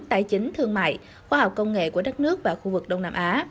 tài chính thương mại khoa học công nghệ của đất nước và khu vực đông nam á